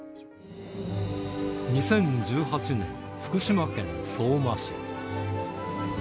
２０１８年、福島県相馬市。